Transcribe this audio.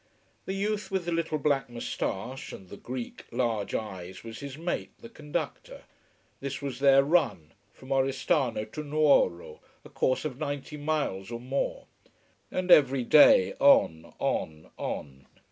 The youth with the little black moustache and the Greek, large eyes, was his mate, the conductor. This was their run, from Oristano to Nuoro a course of ninety miles or more. And every day on, on, on.